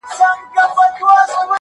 خو خبري نه ختمېږي هېڅکله تل,